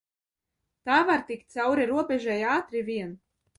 Tā var tikt cauri robežai ātri vien.